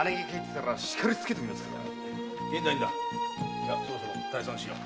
じゃそろそろ退散しよう。